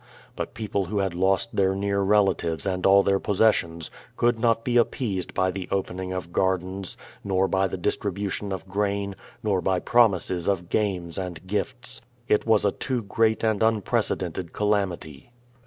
But people who had lost their near relatives and all their posses sions, could not be appeased by the opening of gardens, nor by distribution of grain, nor by promises of games and gifts. It was a too groat and unprecedented calamity.